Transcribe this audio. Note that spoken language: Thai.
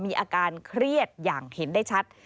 มีอาการเครียดอย่างเห็นได้ชัด